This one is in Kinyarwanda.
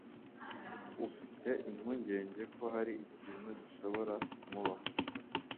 afite impungenge ko hari ikintu gishobora kumubaho.